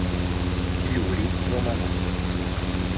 Yuri Romanò